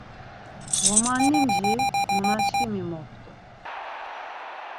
Ğomanlimci nanaçkimi moxtu.